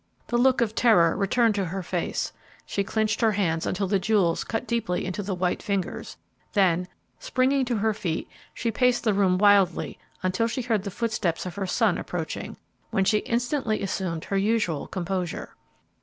The look of terror returned to her face; she clinched her hands until the jewels cut deeply into the white fingers; then, springing to her feet, she paced the room wildly until she heard the footsteps of her son approaching, when she instantly assumed her usual composure.